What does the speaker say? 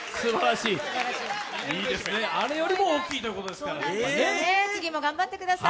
いいですね、あれよりも大きいということですからね。